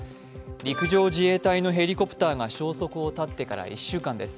陸上自衛隊のヘリコプターが消息を絶ってから今日で１週間です。